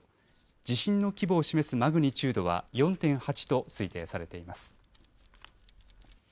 地震の規模を示すマグニチュードは４．８と推定されています。